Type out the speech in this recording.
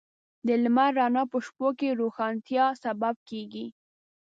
د لمر رڼا په شپو کې د روښانتیا سبب کېږي.